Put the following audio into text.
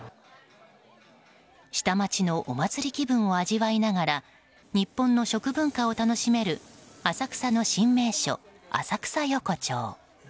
下町のお祭り気分を味わいながら日本の食文化を楽しめる浅草の新名所・浅草横町。